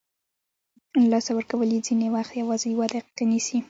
له لاسه ورکول یې ځینې وخت یوازې یوه دقیقه نیسي.